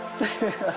ハハハハ。